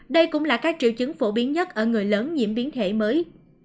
đây cũng là các triệu chứng phổ biến nhất ở người lớn nhiễm biến thể mới